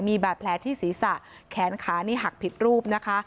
มีบาดแผลที่ศีรษะแขนขานี่หักผิดรูปนะคะ